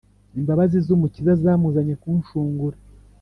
Imbabazi z’umukiza zamuzanye kunshungura